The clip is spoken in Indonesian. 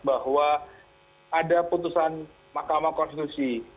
bahwa ada putusan mahkamah konstitusi